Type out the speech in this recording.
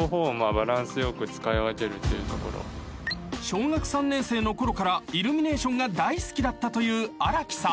［小学３年生のころからイルミネーションが大好きだったという荒木さん］